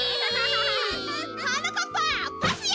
はなかっぱパスや！